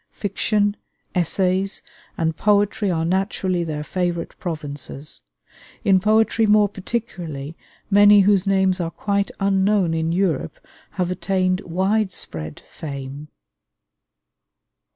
Fiction, essays, and poetry are naturally their favorite provinces. In poetry more particularly, many whose names are quite unknown in Europe have attained wide spread fame.